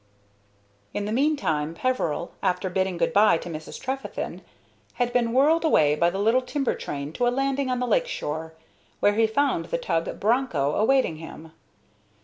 In the meantime Peveril, after bidding good bye to Mrs. Trefethen, had been whirled away by the little timber train to a landing on the lake shore, where he found the tug Broncho awaiting him.